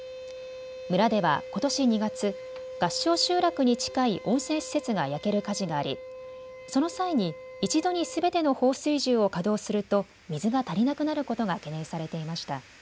村ではことし２月、合掌集落に近い温泉施設が焼ける火事がありその際に１度にすべての放水銃を稼働すると水が足りなくなることが懸念されていました。